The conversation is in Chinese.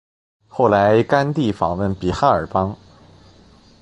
后来甘地访问比哈尔邦。